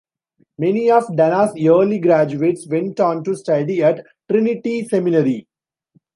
Many of Dana's early graduates went on to study at Trinity Seminary.